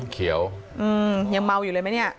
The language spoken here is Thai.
เขียวยังเมาอยู่เลยไหมเนี่ย